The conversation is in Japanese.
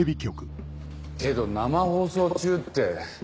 けど生放送中って。